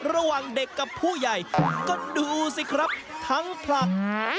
ระหว่างเด็กกับผู้ใหญ่ก็ดูสิครับทั้งผลัก